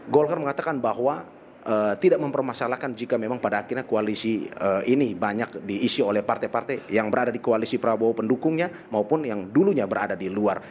golkar mengatakan bahwa tidak mempermasalahkan jika memang pada akhirnya koalisi ini banyak diisi oleh partai partai yang berada di koalisi prabowo pendukungnya maupun yang dulunya berada di luar